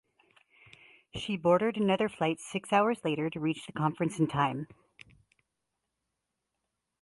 She bordered another flight six hours later to reach the conference in time.